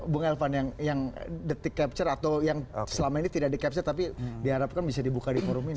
bung elvan yang detik capture atau yang selama ini tidak di capture tapi diharapkan bisa dibuka di forum ini